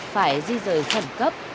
phải di rời khẩn cấp